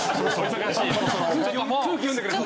「空気読んでくれ」と。